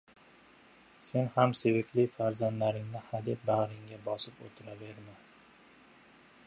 sen ham sevikli farzandlaringni hadeb bag‘ringga bosib o‘tiraverma